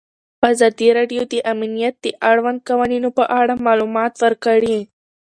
ازادي راډیو د امنیت د اړونده قوانینو په اړه معلومات ورکړي.